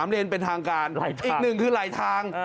๓เลนเป็นทางการอีกหนึ่งคือไหลทาง